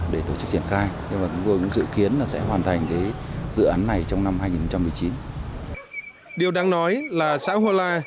điều đáng nói là xã hô la